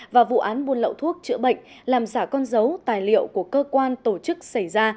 và vụ án buôn lậu thuốc chữa bệnh làm giả con dấu tài liệu của cơ quan tổ chức xảy ra